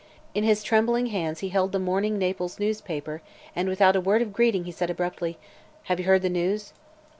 In his trembling hands he held the morning Naples newspaper and without a word of greeting he said abruptly: "Have you heard the news?"